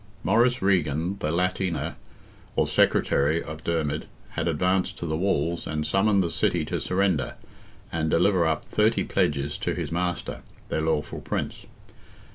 Maurice Regan, the "Latiner," or Secretary of Dermid, had advanced to the walls, and summoned the city to surrender, and deliver up "30 pledges" to his master, their lawful Prince.